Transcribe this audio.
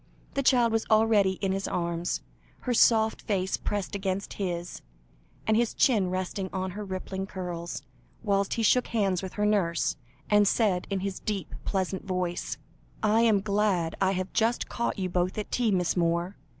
The child was already in his arms, her soft face pressed against his, and his chin resting on her rippling curls, whilst he shook hands with her nurse, and said in his deep pleasant voice "I am glad I have just caught you both at tea, Miss Moore.